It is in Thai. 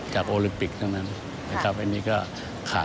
จากโอลิมปิกทั้งนั้นนะครับอันนี้ก็ขาดอยู่แล้วฮ่า